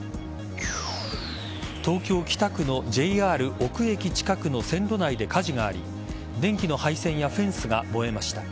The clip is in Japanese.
東京・北区のＪＲ尾久駅近くの線路内で火事があり電気の配線やフェンスが燃えました。